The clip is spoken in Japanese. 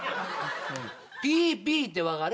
ＰＰって分かる？